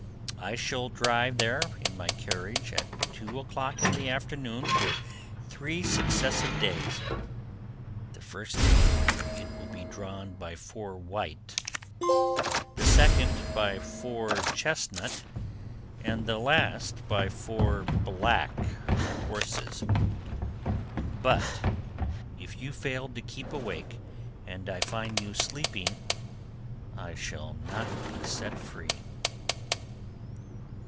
I shall drive there in my carriage at two o'clock in the afternoon for three successive days; the first day it will be drawn by four white, the second by four chestnut, and the last by four black horses; but if you fail to keep awake and I find you sleeping, I shall not be set free.